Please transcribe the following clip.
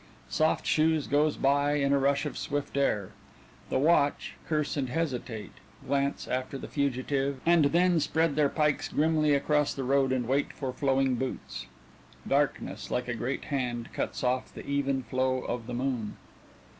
Soft Shoes goes by in a rush of swift air. The watch curse and hesitate, glance after the fugitive, and then spread their pikes grimly across the road and wait for Flowing Boots. Darkness, like a great hand, cuts off the even flow the moon.